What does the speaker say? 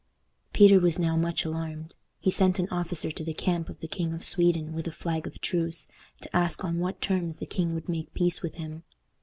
Peter was now much alarmed. He sent an officer to the camp of the King of Sweden with a flag of truce, to ask on what terms the king would make peace with him.